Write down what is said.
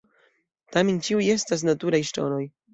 Tamen ĉiuj estas "naturaj ŝtonoj".